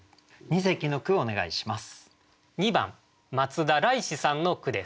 特選の弁をお願いします。